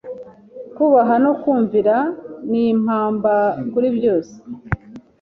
Kubaha no kumvira nimpamba kuri byose